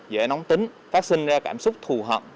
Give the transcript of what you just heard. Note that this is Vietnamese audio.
dễ nóng tính phát sinh ra cảm xúc thù hận